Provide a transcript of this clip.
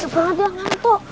patah banget ya angko